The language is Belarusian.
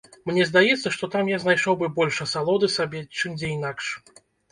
Мне здаецца, што там я знайшоў бы больш асалоды сабе, чым дзе інакш.